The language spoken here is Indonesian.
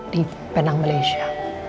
di penang malaysia